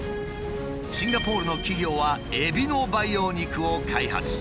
シンガポールの企業はエビの培養肉を開発。